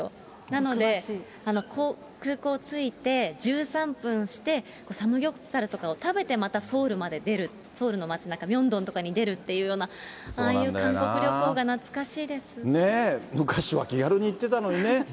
なので、空港着いて、１３分して、サムギョプサルとかを食べて、またソウルまで出る、ソウルの街なか、ミョンドンとかに出るっていうような、ああいう韓国旅行が懐かし昔は気軽に行ってたのにね。